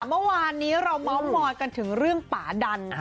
เมื่อวานนี้เราเมาส์มอยกันถึงเรื่องป่าดัน